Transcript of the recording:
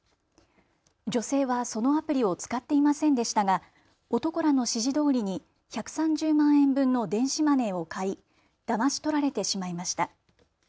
女性はそのアプリを使っていませんでしたが男らの指示どおりに１３０万円分の電子マネーを買いだまし取られてしまいました。